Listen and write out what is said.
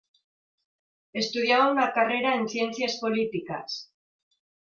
Estudiaba una carrera en ciencias políticas.